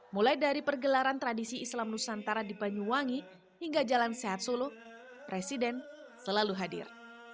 mulai dari pergelaran tradisi islam nusantara di banyuwangi hingga jalan sehat solo presiden selalu hadir